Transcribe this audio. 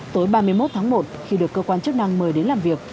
tối ba mươi một tháng một khi được cơ quan chức năng mời đến làm việc